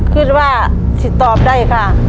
คิดว่าถิดตอบได้ค่ะ